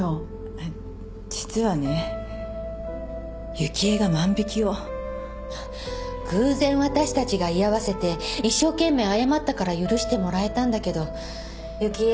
実はね雪枝が万引を偶然私たちが居合わせて一生懸命謝ったから許してもらえたんだけど雪枝